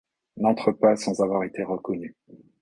n’entrent pas sans avoir été reconnus.